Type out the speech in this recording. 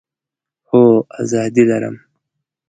هو، آزادي لرم